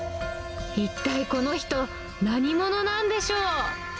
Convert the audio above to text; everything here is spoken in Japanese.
一体この人、何者なんでしょう。